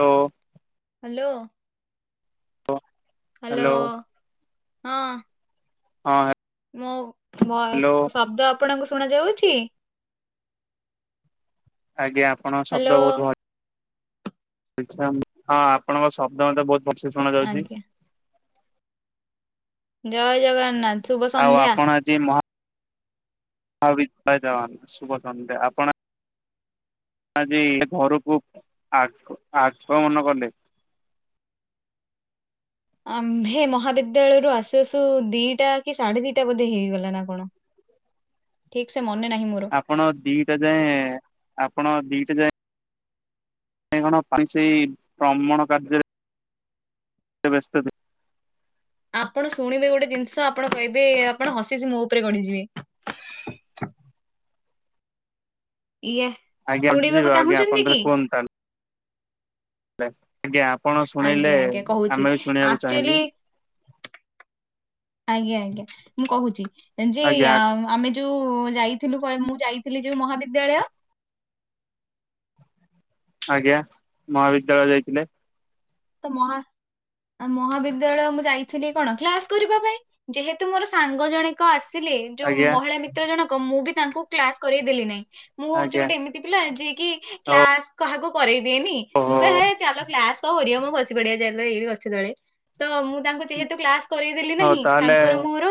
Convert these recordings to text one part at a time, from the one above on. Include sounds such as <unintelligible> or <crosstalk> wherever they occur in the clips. Do. Hello hello hello ହଁ ହଁ। ମୋ ହ୍ୟାଲୋ ଶବ୍ଦ ଆପଣଙ୍କୁ ଶୁଣା ଯାଉଛି? ଆଜ୍ଞା ଆପଣ ହ୍ୟାଲୋ ଶବ୍ଦ ବହୁ ଭଲ ଆ ହଁ ଆପଣଙ୍କ ଶବ୍ଦ ମୋତେ ବହୁତ ଭଲ ସେ ଶୁଣା ଯାଉଛି। ଆଜ୍ଞା ଜୟ ଜଗନ୍ନାଥ। ଶୁଭ ଆଉ ସନ୍ଧ୍ୟା। ଆପଣ ଆଜି ମ ହ ବି ପାଇ ଶୁଭ ସନ୍ଧ୍ୟା ଆପଣ <unintelligible> ଆଜି ଘରକୁ ଆଠ ଆଠ ଅ ମନେ କଲେ ଆ ହେ ମହାବିଦ୍ୟାଳୟରୁ ଆସୁ ଆସୁ ଦିଟା କି ସାଢେ ଦିଟା ବୋଧେ ହେଇଗଲା ନା କଣ? ହ <inaudible> ଠିକ ସେ ମନେ ନାହିଁମୋର। ଆପଣ ଦିଟା ଯାଏଁ ଆପଣ ଦିଟା ଯାଏ କାଇଁ କଣ ପା ସେଇ ଭ୍ରମଣ କାର୍ଯ୍ୟରେ ସେ ବ୍ୟସ୍ତ ଆପଣ ଶୁଣିବେ ଗୋଟେ ଜିନିଷ ଆପଣ କହିବେ ଆପଣ ହସି ହସି ମୋ ଉପରେ ଗଢଡିଯିବେ। ଇଏ ଆଜ୍ଞା ଯିବ ଶୁଣିବାକୁ ଆଜ୍ଞା ଆପଣ ଚାହୁଁଛନ୍ତି ତାହେଲେ କି? କୁହନ୍ତୁ ତାହେଲେ ଆଜ୍ଞା ଆପଣ ଶୁଣେଇଲେ ଆଜ୍ଞା ଆଜ୍ଞା କହୁଛି ଆମେ ବି ଶୁଣିବାକୁ ଆକ୍ଚୁଆଲି ଚାହିଁବୁ। ଆଜ୍ଞା ଆଜ୍ଞା ମୁଁ କହୁଛି ଯେ ଆଜ୍ଞା ଆମେ ଯୋଉ ଯାଇଥିଲୁ ମୁଁ ଯାଇଥିଲି ଯୋଉ ମହାବିଦ୍ୟାଳୟ ଆଜ୍ଞା ମହାବିଦ୍ୟାଳୟ ଯାଇଥିଲେ। ତ ମହା ଆ ମହାବିଦ୍ୟାଳୟ ମୁଁ ଯାଇଥିଲି କଣ କ୍ଲାସ କରିବା ପାଇଁ ଯେହେତୁ ମୋର ସାଙ୍ଗ ଜଣେ ଆସିଲେ ଯୋଉ ଆଜ୍ଞା ମହିଳା ମିତ୍ର ଜଣକ ମୁଁ ବି ତାଙ୍କୁ କ୍ଲାସ କରାଇ ଦେଲି ନାହିଁ ମୁଁ ହଉଛି ଆଜ୍ଞା ଗୋଟେ ଏମିତି ପିଲା ଯିଏ କି ହଉ କ୍ଲାସ କାହାକୁ କରେଇ ଦିଏନି ଓହୋ ମୁଁ କହେ ହେ ଚାଲ କ୍ଲାସ କ କରିବ ବସି ପଡିଆ ଗଛ ତଳେ ତ ମୁଁ ତାଙ୍କୁ ଯେହେତୁ କ୍ଲାସ କରେଇ ଦେଲି ହଉ ନାହିଁ ତାହେଲେ ତାଙ୍କର ମୁଁ ମୋର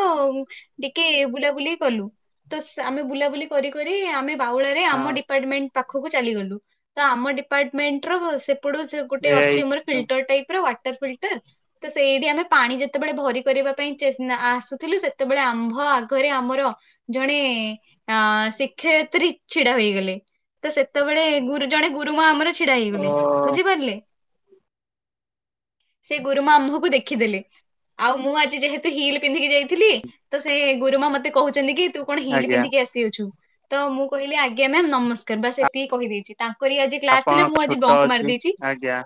ଟିକେ ବୁଲାବୁଲି କଲୁ ତ ଆମେ ବୁଲାବୁଲି କରି କରି ଆମେ ବାଉଳାରେ ହଁ ଆମ ଡିପାର୍ମେଣ୍ଟ ପାକୁ ଚାଲିଗଲୁ ଆମ ଡିପାର୍ଟମେଣ୍ଟ ସେପଟୁ ଗୋଟେ ଏଇ ଅଛି ଆମର ଫିଲ୍ଟର ଟାଇପ ର ୱାଟର ଫିଲ୍ଟର ତ ସେଇଠି ଆମେ ପାଣି ଯେତେବେଳେ ଭରି କରିବା ପାଇଁ ଆସୁଥିଲୁ ସେତେବେଳେ ଆମ୍ଭ ଆଗରେ ଆମ୍ଭର ଜଣେ ଅଶିକ୍ଷୟିତ୍ରୀ ଛିଡା ହେଇଗଲେ। ତ ସେତେବେଳେ ଗୁରୁ ଜଣେ ଗୁରୁମା ଆମର ଛିଡା ଓ ହେଇଗଲେ ବୁଝିପାରିଲେ? ସେ ଗୁରୁମା ଆମକୁ ଦେଖିଦେଲେ। ଆଉ ମୁଁ ଆଜି ଯେହେତୁ ହିଲ୍ ପିନ୍ଧିକି ଯାଇଥିଲି ତ ସେ ଗୁରୁମା ମତେ କହୁଛନ୍ତି କି ତୁ କଣ ହିଲ ଆଜ୍ଞା ପିନ୍ଧିକି ଆସି ଅଛୁ ତ ମୁଁ କହିଲି ଆଜ୍ଞା ମ୍ୟାମ୍ ନମସ୍କାର ବାସ ଏତିକି କହିଦେଇଛି। ତାଙ୍କରି ଆଜି କ୍ଲାସ ଆପଣ ଥିଲା ମୁଁ ଆଜି ଛୋଟ ବଙ୍କ ଅଛି ମାରିଦେଇଛି। ଆଜ୍ଞା।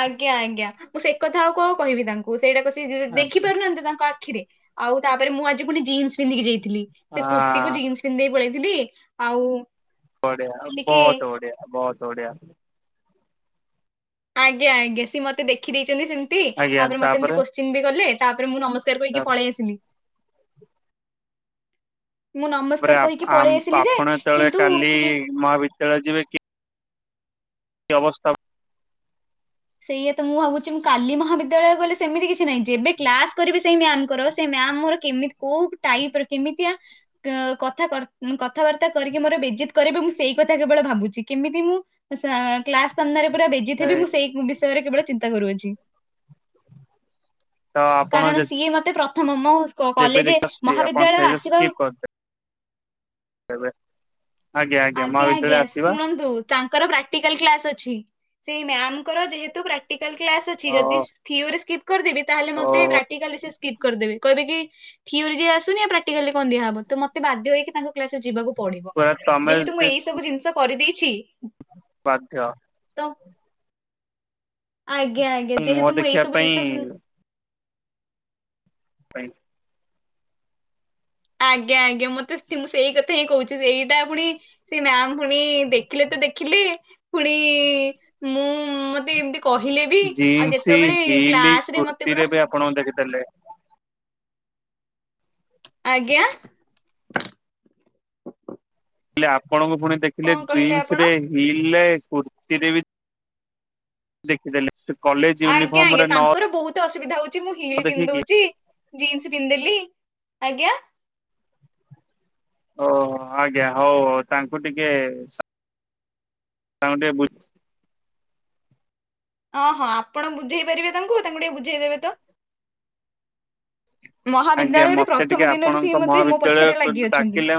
ଆଜ୍ଞା ଆଜ୍ଞା ମୁଁ ସେ କଥା ଆଉ କଣ କହିବି ତାଙ୍କୁ ସେଇଟା କ ସେ ଦେଖି ଆଜ୍ଞା ପାରୁନାହାନ୍ତି ତାଙ୍କ ଆଖିରେ। ଆଉ ତାପରେ ମୁଁ ଆଜି ପୁଣି ଜିନ୍ସ ପିନ୍ଧିକି ଯାଇଥିଲି ସେ ହଁ କୁର୍ତ୍ତିକୁ ଜିନ୍ସ। ପିନ୍ଧିକି ପଳେଇଆସିଥିଲି ଆଉ। ବଢ଼ିଆ ଟିକେ ବହୁତ ବଢ଼ିଆ ବହୁତ ବଢ଼ିଆ। ଆଜ୍ଞା ଆଜ୍ଞା ସିଏ ମତେ ଦେଖିଦେଇଚନ୍ତି ସେମିତି ତାପରେ ମତେ ଏମିତି କୋଶ୍ଚିନ୍ ବି କଲେ ତାପରେ ମୁଁ ନମସ୍ ସେ ପାଇଁ କି ପଳେଇ ଆସିଲି। ମୁଁ ତାପରେ ନମସ୍କାର ଆପ୍ କହିକି ଆମ୍ ପଳେଇ ଆସିଲି ଯେ ଆପଣ ଯେତେବେଳେ କିନ୍ତୁ କାଲି ସିଏ ମହାବିଦ୍ୟାଳୟ ଯିବେ କି? କି ଅବସ୍ଥା ସେଇଆ ତ ମୁଁ ଭାବୁଚି ମୁଁ କାଲି ମହାବିଦ୍ୟାଳୟ ଗଲେ ସେମିତି କିଛି ନାହିଁ, ଯେବେ କ୍ଲାସ କରିବି ସେଇ ମ୍ୟାମଙ୍କର ସେ ମ୍ୟାମ ମୋର କେମତି କୋଉ ଟାଇପ ର କେମିତିଆ। କ କଥା କର୍ କଥାବାର୍ତ୍ତା କରିକି ମୋର ବେଜିତ୍ କରିବେ ମୁଁ ସେଇ କଥା କେବଳ ଭାବୁଚି କେମିତି ମୁଁ ସା କ୍ଲାସ ସାମ୍ନାରେ ପୁରା ବେଜିତ୍ ହେବି ମୁଁ ସେଇ ବିଷୟରେ କେବଳ ଚିନ୍ତା କରୁଅଛି। ତ ଆପଣ କାରଣ ସିଏ ମତେ ପ୍ରଥମ ମୋ ଯେବେ କଲେଜେ ଦେଖି ଆପଣ ମହାବିଦ୍ୟାଳୟ ସେଇଟା ଆସିବା ଏବେ ଆଜ୍ଞା ଆଜ୍ଞା ମହାବିଦ୍ୟାଳୟ ଆସିବା। ତାଙ୍କର ପ୍ରାକ୍ଟିକାଲ କ୍ଲାସ ଅଛି, ସେଇ ମ୍ୟାମଙ୍କର ଯେହେତୁ ପ୍ରା ପ୍ରାକ୍ଟିକାଲ କ୍ଲାସ୍ ଅଛି, ଓ ଯଦି ଥିଓରି ସ୍କ୍ରିପ୍ କରିଦେବି ତାହେଲେ ଓ ମତେ ପ୍ରାକ୍ଟିକାଲ ରେ ସିଏ ସ୍କ୍ରିପ୍ କରିଦେବେ ‌କହିବେ କି ଥିଓରି ଯିଏ ଆସୁନି, ପ୍ରାକ୍ଟିକାଲ କଣ ଦିଆହବ ତ ମତେ ବାଧ୍ୟ ହେଇକି ତାଙ୍କ କ୍ଲାସରେ ଯିବାକୁ ପଡ଼େ। ପୁରା ତମେ ଯେହେତୁ ମୁଁ ଯଦି ଏଇ ସବୁ ଜିନିଷ କରିଦେଇଛି। ବାଧ୍ୟ ତ ଆଜ୍ଞା ଆଜ୍ଞା, ମୁହଁ ଯେହେତୁ ମୁଁ ଏଇ ଦେଖିବା ସବୁ ଜିନିଷ ଉଁ ପାଇଁ ପାଇ ଆଜ୍ଞା ଆଜ୍ଞା, ମତେ ମୁଁ ସେଇ କଥା ହିଁ କହୁଚି ସେଇଟା ପୁଣି ସେ ମ୍ୟାମ ପୁଣି ଦେଖିଲେ ତ ଦେଖିଲେ ପୁଣି ମୁଁ ମତେ ଏମିତି କହିଲେ ବି ଆଉ ଜିନ୍ସ ଯେତେବେଳେ ହିଲ୍ କ୍ଲାସ ରେ ମତେ କୁର୍ତ୍ତିରେ ପୁରା ବି ଆପଣଙ୍କୁ ଦେଖିଦେଲେ। ଆଜ୍ଞା। ମୁଁ କହିଲି ଆପଣଙ୍କୁ ପୁଣି ଦେଖିଲେ କଣ କହିଲେ ଜିନ୍ସ ଆପଣ ରେ ହିଲରେ କୁର୍ତିରେ ବି। ଦେଖିଦେଲେ ସେ କଲେଜ୍ ଆଜ୍ଞା ଆଜ୍ଞା, ତାଙ୍କର ବହୁତ ଅସୁବିଧା ହଉଚି ମୁଁ ହିଲ୍ ଦେଖିକି ପି‌ନ୍ଧିଦଉଚି। ଜିନ୍ସ ପିନ୍ଧିଦେଲି, ଆଜ୍ଞା। ଓହୋ ଆଜ୍ଞା ହଉ ହଉ ତାଙ୍କୁ ଟିକେ ତାଙ୍କୁ ଟିକେ ବୁଝ୍ ଅହୋ ଆପଣ ବୁଝେଇ ପାରିବେ ତାଙ୍କୁ ତାଙ୍କୁ ଟିକେ ବୁଝେଇ ଦେବେ ତ। ଆଜ୍ଞା ମହାବିଦ୍ୟାଳୟରେ ମତେ ଟିକେ ପ୍ରଥମ ଦିନରୁ ଆପଣଙ୍କ ସିଏ ମତେ ମୋ ପଛରେ ମହାବିଦ୍ୟାଳୟକୁ ଲାଗି ଅଛନ୍ତି। ଡାକିଲେ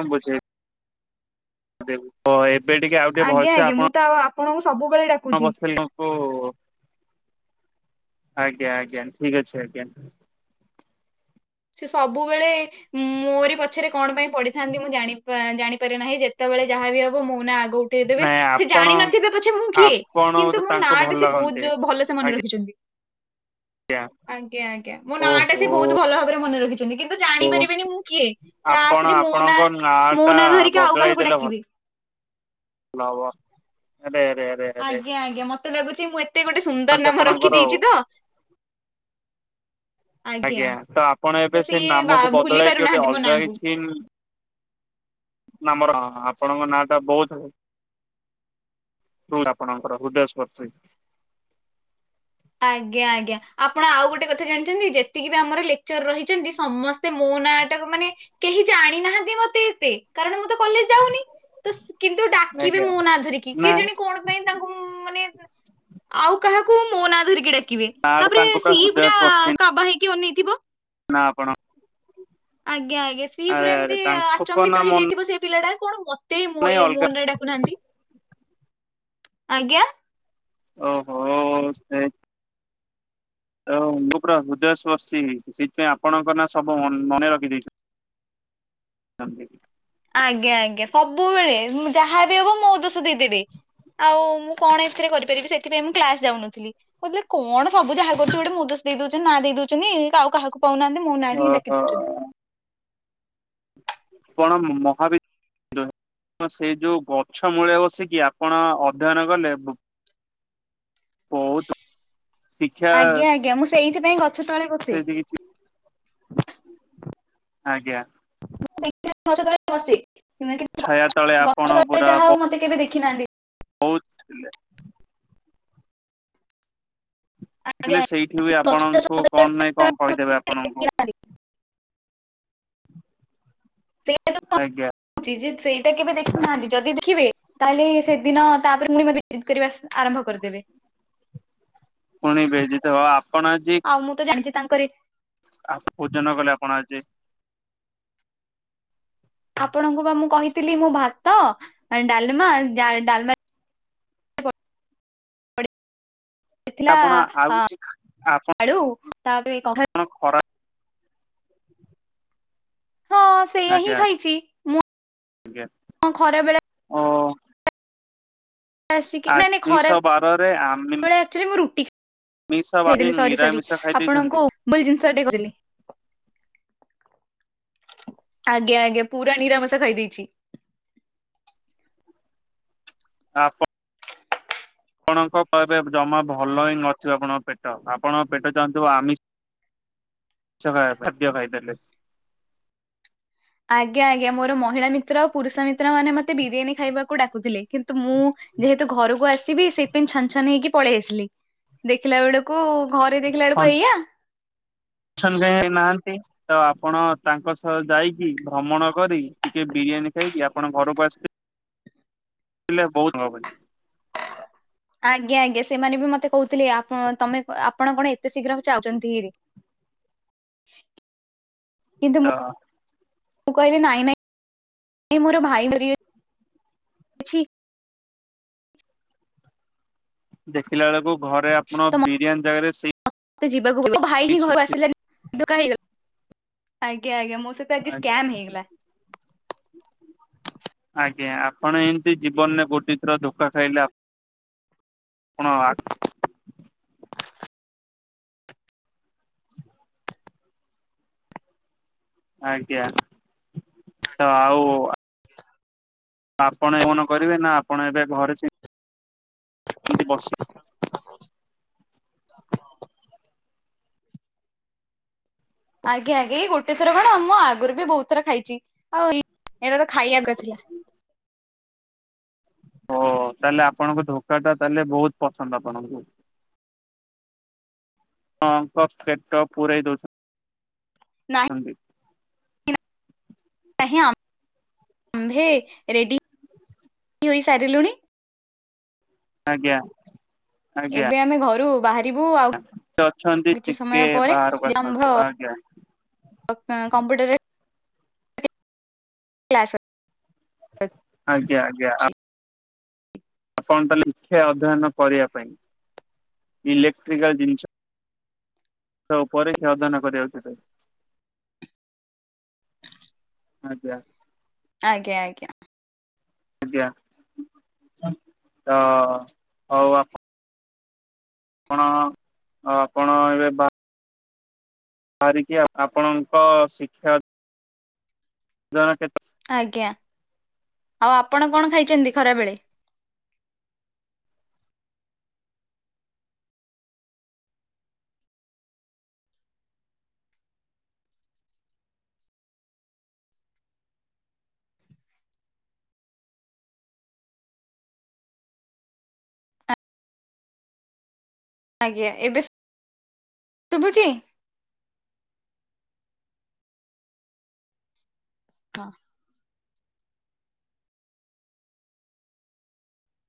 ଦେଖ ଏବେ ଟିକେ ଆଉ ଟିକେ ଆଜ୍ଞା ଭଲସେ ଆଜ୍ଞା ମୁଁ ଆପଣ ତ ଆପଣଙ୍କୁ ସବୁବେଳେ ଡାକ <unintelligible> କୁ ଆଜ୍ଞା ଆଜ୍ଞା ଠିକ ଅଛି ଆଜ୍ଞା। ସେ ସବୁବେଳେ ମୋରି ପଛରେ କଣ ପାଇଁ ପଡିଥାନ୍ତି ମୁଁ ଜାଣିପା ଜାଣିପାରେ ନାହିଁ, ଯେତେବେଳେ ଯାହା ବିି ହବ ମୋ ନାଁ ଆଗ ଉ ଉଠେଇଦେବେ ନାଇଁ ସେ ଆପଣ ଜାଣିନଥିବେ ପଛେ ମୁଁ କିଏ। ଆପଣ ବୋଧେ କିନ୍ତୁ ମୋ ତାଙ୍କୁ ନାଁ ଭଲ ଟା ସେ ବହୁତ ଲାଗନ୍ତି। ଜୋ ଭଲସେ ମନେ ରଖିଛନ୍ତି। ଆଜ୍ଞା ଆଜ୍ଞା ଆଜ୍ଞା, ମୋ ନାଁ ଟା ସେ ବହୁତ ଓହୋ। ଭଲ ଭାବରେ ମନେ ରଖିଛନ୍ତି କିନ୍ କିନ୍ତୁ ଜାଣିପାରିବେନି ମୁଁ କିଏ ଆପଣ କ୍ଲାସ ରେ ମୋ ଆପଣଙ୍କ ନାଁ ମୋ ଟା ନାଁ ଧରିକି ଆଉ କାହାକୁ ଡାକିବି। ଲଭ ଆରେ ଆରେ ଆର୍ ଆଜ୍ଞା, ଆଜ୍ଞା, ମତେ ଲାଗୁଚି ମୁଁ ଏତେ ଗୋଟେ ସୁନ୍ଦର ନାମ ଆପଣଙ୍କର ଆଉ ରଖିଦେଇଚି ତ ଆଜ୍ଞା, ତ ଆପଣ ଏବେ ତ ସେ ସିଏ ବା ନାମକୁ ଭୁଲି ବଦଳାଇକି ଗୋଟେ ପାରୁନାହାନ୍ତି ମୋ ଅଲଗା ନାଁକୁ। କିଛି ନାମର ଆପଣଙ୍କ ନାଁଟା ବହୁତ ହୁଁ ଆପଣଙ୍କର ହୃଦୟ ସ୍ପର୍ଷ ହେ ଆଜ୍ଞା ଆଜ୍ଞା ଆପଣ ଆଉ ଗୋଟେ କଥା ଜାଣିଛନ୍ତି ଯେତିକି ବି ଆମର ଲେକ୍ଚର ରହିଛନ୍ତି ସମସ୍ ସେ ମୋ ନାଁ ଟାକୁ ମାନେ କେହି ଜାଣିନାହାନ୍ତି ମତେ ଏତେ କାରଣ ମୁଁ ତ କଲେଜ ଯାଉନି। ତ କିନ୍ତୁ ଡାକିବେ ଆଜ୍ଞା ମୋ ନା ଧରିକି ନା କେଜାଣି କଣ ପାଇଁ ତାଙ୍କୁ ମାନେ ଆଉ କାହାକୁ ମୋ ନା ଧରିକି ଡ଼ା କିବେ ନା ତାପରେ ତାଙ୍କୁ ତ ସିଏ ପୁରା ହୃଦୟସ୍ପର୍ଶୀ କାବା ହେଇକି ଅନେଇ ଥିବ। ନା ଆପଣ ଆଜ୍ଞା ଆଜ୍ଞା ସିଏ ଆରେ ପୁରା ଆରେ ଏମିତି ତାଙ୍କୁ କଣ ନା ଆଚମ୍ବିତ ମନ ହେଇଯାଇଥିବ ସେଇ ପିଲାଟା କଣ ମ ତେ ନାଇଁ ଇଏ ଅଲଗା ମୋ ନାଁ ଡାକୁନାହାନ୍ତି ଆଜ୍ଞା। ଓହୋ ସେ ଆଉ ମୁଁ ପୁରା ହୃଦୟସ୍ପର୍ଶୀ ହେଇଛି ସେଥିପାଇଁ ଆପଣଙ୍କ ନା ସବୁ ମନେ ରଖିଦେଇଛ ଛନ୍ତି। ଆଜ୍ଞା ଆଜ୍ଞା ସବୁବେଳେ ଯାହାବି ହବ ମୋ ଦୋଷ ଦେଇଦେବେ। ଆଉ ମୁଁ କଣ ଏଥିରେ କରିପାରିବି ସେଥି ପାଇଁ ମୁଁ କ୍ଲାସ୍ ଯାଉନଥିଲି। ବୁଝିଲେ କଣ ସବୁ ଯାହା କରୁଛି ଗୋଟେ ମୋ ଦୋଷ ଦେଇ ଦଉଛି ନାଁ ଦେଇ ଦଉଛନ୍ତି ଆଉ କାହାକୁ କହୁ ନାହାନ୍ତି ମୋ ନାଁ ହିଁ ଡାକି ଓହୋ ଦଉଛନ୍ତି। ଆପଣ ମହାବି କିନ୍ତୁ ସେଇ ଯେଉଁ ଗଛ ମୂଳେ ବସିକି ଆପଣ ଅଧ୍ୟୟନ କଲେ ବହୁତ୍ ଆଜ୍ଞା ଆଜ୍ଞା ମୁଁ ସେଇଥି ପାଇଁ ଗଛ ତଳେ ବସି ସେମତି କିଛି ଆଜ୍ଞା। <unintelligible> ଗଛ ତଳେ ବସି ଛାୟା ତଳେ ଗଛ ଆପଣ ତଳେ ଯାହା ହଉ ମତେ କେବେ ଦେଖିନାହାନ୍ତି। ବହୁ <unintelligible> ଆଜ୍ଞା। ଦେଖିଲେ ସେଇଠି ବି ଆପଣଙ୍କୁ କଣ ନାଇଁ କଣ କହିଦେବେ ଆପଣଙ୍କୁ। <unintelligible> ସେଇଟା ତ ଆଜ୍ଞା। ଗପୁଛି ଜେ ସେ ସେ କେବେ ଦେଖୁନାହାନ୍ତି ଯଦି ଦେଖିବେ ତା ହେଲେ ସେଦିନ ତାପରେ ପୁଣି ମତେ <unintelligible> କରିବା ଆରମ୍ଭ କରିଦେବେ। ପୁଣିି ବେଇଯିତ୍ ହବ ଆପଣ ଆଜି ହଁ ମୁଁ ତ ଜାଣିଛି ତାଙ୍କରି ଆଉ ଭୋଜନ କଲେ ଆପଣ ଆଜି। ଆପଣଙ୍କୁ ବା ମୁଁ କହିଥିଲି ମୁଁ ଭାତ ଡାଲମା ଆଣ୍ଡ ଯାଇ ଡାଲମା ହେଇଥିଲା ଆପଣ ଆଉ କିଛି ଆଳୁ ତାପରେ କଖାରୁ। କଣ ଖରା ହଁ ସେଇଆ ହିଁ ଆଜ୍ଞା ଖାଇଛି ଆଜ୍ଞା ମୁ ଖରା ବେଳେ ଓ ଆସିକି ନାଇଁ ନାଇଁ ଆମିଷ ବାରରେ ଆମିଷ ଖରାଳେ ଆକ୍ଚୁଆଲି ମୁଁ ରୁଟି ଖାଏ। ବାରି ଉଥେଇଦେଲି ସରି ସରି ନିରାମିଷ ଖାଇ ଦେଇଛନ୍ତି। ଆପଣଙ୍କୁ ଭୁଲ୍ ଜିନିଷ ଟେ କହିଲି। ଆଜ୍ଞା ଆଜ୍ଞା ପୁରା ନିରାମଷ ଖାଇଦେଇଚି। ଆପ ଣଙ୍କ କହିବେ ଜମା ଭଲ ହିଁ ଅଥିବ ଆପଣଙ୍କ ପେଟ ଆପଣଙ୍କ ପେଟ ଚାହୁଁଥିବ ଆମିଷ। ମାଛ ଖାଇବା ଖାଦ୍ୟ ଖାଇ ପାରିଲିନି। ଆଜ୍ଞା, ଆଜ୍ଞା ମୋର ମହିଳା ମିତ୍ର ଆଉ ପୁରୁଷ ମିତ୍ର ମାନେ ମତେ ବିରିୟାନୀ ଖାଇବାକୁ ଡାକୁଥିଲେ, କିନ୍ତୁ ମୁଁ ଯେହେତୁ ଘରକୁ ଆସି ସିବି ସେଇଥି ପାଇଁ ଛନ, ଛନ ହେଇକି ପଳେଇ ଆସିଲି ଦେଖିଲା ବେଳକୁ ଘରେ ଦେଖିଲା ବେଳକୁ ଏଇଆ। ଅଛନ୍ତି <unintelligible> ନାହାନ୍ତି। ତ ଆପଣ ତାଙ୍କ ସହ ଯାଇକି ଭ୍ରମଣ କରି ଟିକେ ବିରିୟାନୀ ଖାଇକି ଆପଣ ଘରକୁ ଆସି ହେଲେ ବହୁତ୍ ଭାବେ। ଆଜ୍ଞା, ଆଜ୍ଞା ସେମାନେ ବି ମତେ କହୁଥିଲେ ଆ ତମେ ଆପଣ କଣ ଏତେ ଶୀଘ୍ର ଚାହୁଛନ୍ତି ହେଇରି। କିନ୍ତୁ ତ ମୁଁ। ମୁଁ କହିଲି ନାଇଁ ନାଇଁ ମୋର-ଭାଇ-ଧ। ଦେଖିଲା ବେଳକୁ ଘରେ ଆପଣ ତ ବିରିୟାନୀ ଜାଗାରେ ସେଇ। ଯିବାକୁ ମୋ ଭାଇ ହିଁ ଘରକୁ ଶୁଖିଲା ଆସିଲାନି ଆଜ୍ଞା ଆଜ୍ଞା ମୋ ସହି <unintelligible> ଆଜ୍ଞା। ଆଜ୍ଞା ଆପଣ ଏମିତି ଜୀବନରେ ଗୋଟେ ଥର ଧୋକା ଖାଇଲେ। ଆପଣ ଆ। ଆଜ୍ଞା ତ ଆଉ। ଆପଣ ଏନ କରିବେ ନା ଆପଣ ଏବେ ଘରେ ସେମ ବସି <inaudible> ଆଜ୍ଞା ଆଜ୍ଞା ଏଇ ଗୋଟେ ଥର କଣ ମୁଁ ଆଗରୁ ବି ବହୁତ ଥର ଖାଇଛି, ଆଉ--ଇ ଏଇଟା ତ ଖାଇବାକୁ ଥିଲା। ଓ ତାହେଲେ ଆପଣଙ୍କ ଧୋକା ଟା ତାହେଲେ ବହୁତ ପସନ୍ଦ ଆପଣଙ୍କୁ? ହଁ ପୁର ଦଉଚ <inaudible> ନାହି <unintelligible> <inaudible> କହିଁ-ଆମ୍ଭେ ରେଡି-ହୋଇସାରିଲୁଣି! <inaudible> ଆଜ୍ଞା। ଏବେ ଆମେ ଘରୁ ବାହାର। ସେ ଅଛନ୍ତି ଟିକେ ପରେ ବାହାରକୁ ଆସନ୍ତୁ, ଆଜ୍ଞା। କମ୍ପ୍ୟୁଟରେ--ଚ କ୍ଲାସ୍ -ହବ <inaudible> ଆଜ୍ଞା ଆଜ୍ଞା ଆ। ଅଛି ଆପଣ ତ ଲେଖେ ଅଧ୍ୟୟନ କରିବା ପାଇଁ ଇଲେକ୍ଟ୍ରିକାଲ୍ ଜିନିଷ। ତ ପରୀକ୍ଷା ଅଧ୍ୟୟନ କରିବାକୁ। ଆଜ୍ଞା। ଆଜ୍ଞା ଆଜ୍ଞା। ଆଜ୍ଞା ତ ହୋଉ ଆପ। ଆପଣ ଆପଣ ଏବେ ବା। ସାରିକି ଆପଣଙ୍କ ଶିକ୍ଷା। ଦନ କେତ <inaudible> ଆଜ୍ଞା ଆଉ ଆପଣ କଣ ଖାଇଛନ୍ତି ଖରାବେଳେ? ଆଜ୍ଞା ଏବେ ଶୁ-ଶୁଭୁଛି। ହଁ।